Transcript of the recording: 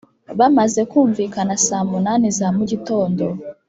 bamaze kumvikana saa munani za mugitondo,